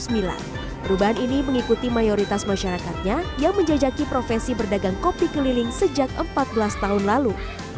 perubahan ini mengikuti mayoritas masyarakatnya yang menjajaki profesi berdagang kopi keliling sejak empat belas tahun lalu